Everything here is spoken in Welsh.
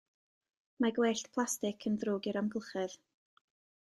Mae gwellt plastig yn ddrwg i'r amgylchedd.